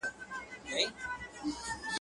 او دا بل جوال د رېګو چلومه.